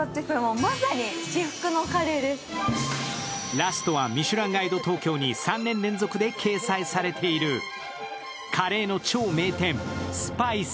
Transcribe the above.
ラストはミシュランガイド東京に３年連続で掲載されているカレーの超名店、すぱいす。